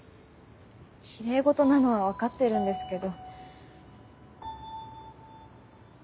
きれい事なのは分かってるんですけど。